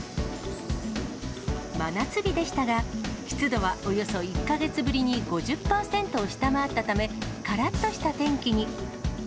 真夏日でしたが、湿度はおよそ１か月ぶりに５０％を下回ったため、からっとした天気に。